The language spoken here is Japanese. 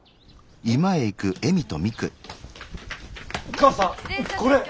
母さんこれ。